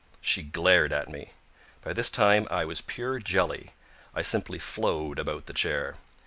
She glared at me. By this time I was pure jelly. I simply flowed about the chair.